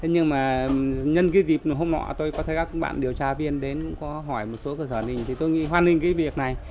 nhân cái dịp hôm nọ tôi có thấy các bạn điều tra viên đến có hỏi một số câu trả lời thì tôi nghĩ hoan nghênh cái việc này